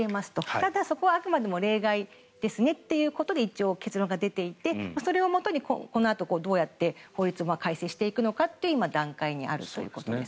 ただ、そこはあくまでも例外ですねということで一応、結論が出ていてそれをもとにこのあと、どうやって法律を改正していくのかという段階にあるということです。